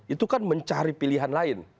itu kan mencari pilihan lain